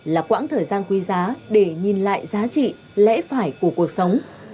là quãng thời gian quý giá để nhìn lại giá trị lẽ phải của cuộc sống